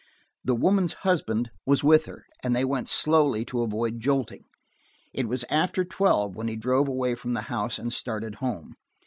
The woman's husband was with her, and they went slowly to avoid jolting. It was after twelve when he drove away from the house and started home.